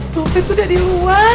dompet udah di luar